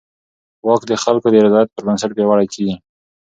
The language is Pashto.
واک د خلکو د رضایت پر بنسټ پیاوړی کېږي.